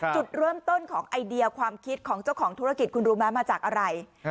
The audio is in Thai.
จุดเริ่มต้นของไอเดียความคิดของเจ้าของธุรกิจคุณรู้ไหมมาจากอะไร